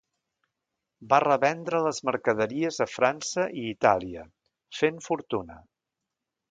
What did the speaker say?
Va revendre les mercaderies a França i Itàlia, fent fortuna.